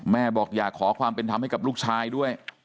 แม่บอกอยากขอความเป็นธรรมให้กับลูกชายด้วย